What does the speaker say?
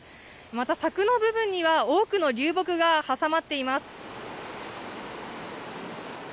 また、柵の部分には多くの流木が挟まっています。